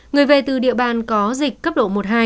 người về từ địa bàn có dịch cấp độ một hai